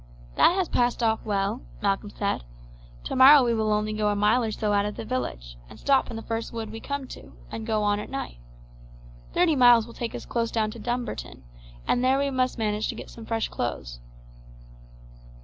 "That has passed off well," Malcolm said. "Tomorrow we will only go a mile or so out of the village, and stop in the first wood we come to, and go on at night. Thirty miles will take us close down to Dumbarton, and there we must manage to get some fresh clothes."